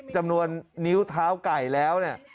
จำนวนนิ้วเท้าไก่แล้วเนี่ย